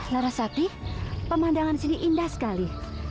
narasati pemandangan sini indah sekali